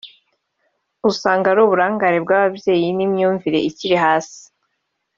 usanga ari uburangare bw’ababyeyi n’imyumvire ikiri hasi